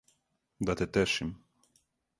Да те тешим.